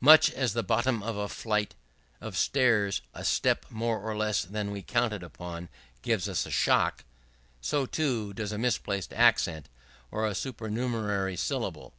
Much as at the bottom of a flight of stairs, a step more or less than we counted upon gives us a shock; so, too, does a misplaced accent or a supernumerary syllable.